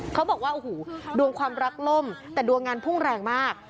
เขาบอกว่าโอ้โหดวงความรักล่มแต่ดวงงานพุ่งแรงมาก